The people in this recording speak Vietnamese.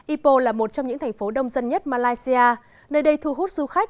ipo là một trong những thành phố đông dân nhất malaysia nơi đây thu hút du khách